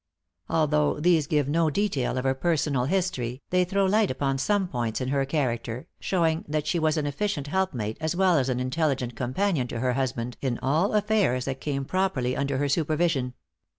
Although these give no detail of her personal history, they throw light upon some points in her character, showing that she was an efficient helpmate as well as an intelligent companion to her husband in all affairs that came properly under her supervision.